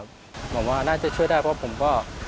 ผมว่าน่าจะช่วยได้เพราะผมก็